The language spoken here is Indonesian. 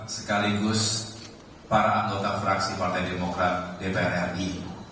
sekaligus para anggota fraksi partai demokrat dpr ri